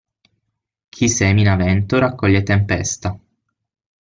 Chi semina vento raccoglie tempesta.